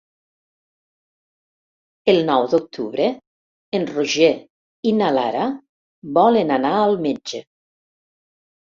El nou d'octubre en Roger i na Lara volen anar al metge.